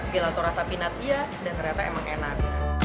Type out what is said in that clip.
gelato rasa peanut iya dan ternyata emang enak